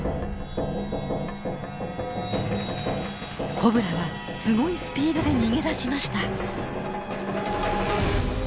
コブラはすごいスピードで逃げ出しました。